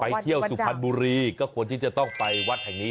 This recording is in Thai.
เที่ยวสุพรรณบุรีก็ควรที่จะต้องไปวัดแห่งนี้